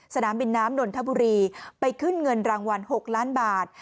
สนามบินน้ำนนทบุรีไปขึ้นเงินรางวัล๖ล้านบาท